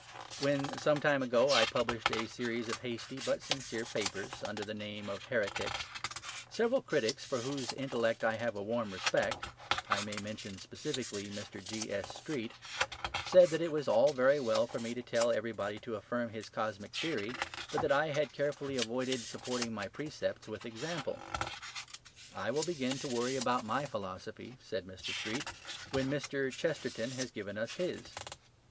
When some time ago I published a series of hasty but sincere papers, under the name of "Heretics," several critics for whose intellect I have a warm respect (I may mention specially Mr. G.S.Street) said that it was all very well for me to tell everybody to affirm his cosmic theory, but that I had carefully avoided supporting my precepts with example. "I will begin to worry about my philosophy," said Mr. Street, "when Mr. Chesterton has given us his."